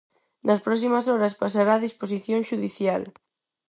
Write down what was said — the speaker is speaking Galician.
Nas próximas horas pasará a disposición xudicial.